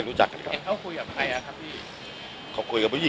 สุดท้ายสุดท้าย